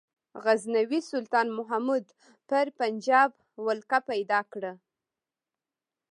غزنوي سلطان محمود پر پنجاب ولکه پیدا کړه.